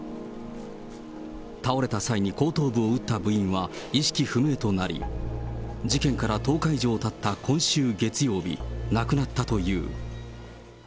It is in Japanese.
倒れた際に後頭部を打った部員は意識不明となり、事件から１０日以上たった今週月曜日、亡くなったという。